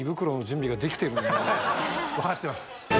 わかってます。